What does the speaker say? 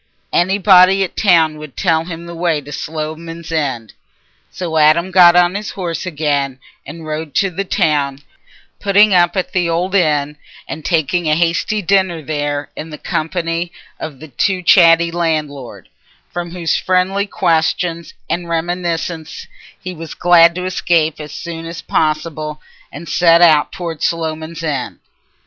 Anybody at the town would tell him the way to Sloman's End. So Adam got on his horse again and rode to the town, putting up at the old inn and taking a hasty dinner there in the company of the too chatty landlord, from whose friendly questions and reminiscences he was glad to escape as soon as possible and set out towards Sloman's End.